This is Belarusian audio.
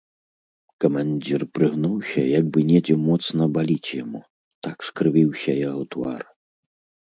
Камандзір прыгнуўся, як бы недзе моцна баліць яму, так скрывіўся яго твар.